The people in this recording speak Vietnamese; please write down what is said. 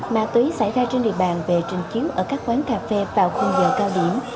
ma túy xảy ra trên địa bàn về trình chiếu ở các quán cà phê vào khung giờ cao điểm